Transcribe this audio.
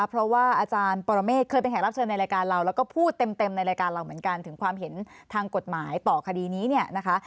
เพราะว่าอาจารย์ปรเมฆเคยเป็นแขกรับเชิญในรายการเราแล้วก็พูดเต็มในรายการเราเหมือนกันถึงความเห็นทางกฎหมายต่อคดีนี้เนี่ยนะคะ